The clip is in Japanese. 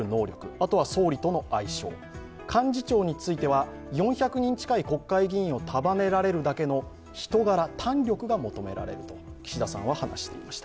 あとは総理との相性、幹事長については、４００人近い国会議員を束ねられるだけの人柄、胆力が求められると岸田さんは話していました。